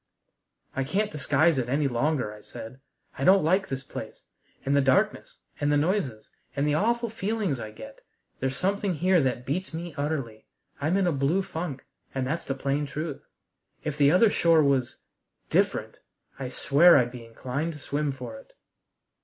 "I can't disguise it any longer," I said; "I don't like this place, and the darkness, and the noises, and the awful feelings I get. There's something here that beats me utterly. I'm in a blue funk, and that's the plain truth. If the other shore was different, I swear I'd be inclined to swim for it!"